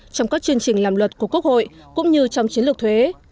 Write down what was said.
trong các chương trình làm luật của quốc hội cũng như trong chiến lược thuế